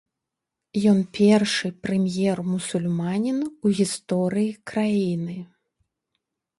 Ён першы прэм'ер-мусульманін у гісторыі краіны.